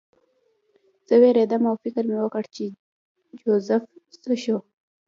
زه ووېرېدم او فکر مې وکړ چې جوزف څه شو